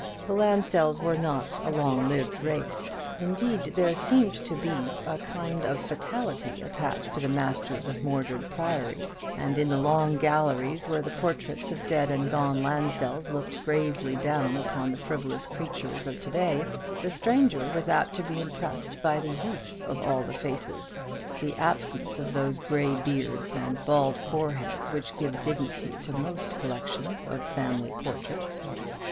The Lansdells were not a long lived race; indeed, there seemed to be a kind of fatality attached to the masters of Mordred Priory: and in the long galleries where the portraits of dead and gone Lansdells looked gravely down upon the frivolous creatures of to day, the stranger was apt to be impressed by the youth of all the faces the absence of those grey beards and bald foreheads which give dignity to most collections of family portraits.